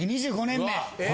２５年目！